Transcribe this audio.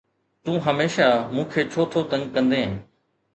تون هميشه مون کي ڇو ٿو تنگ ڪندين؟